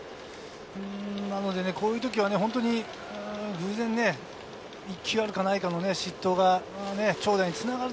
こういう時は偶然１球あるかないかの失投が長打につながる。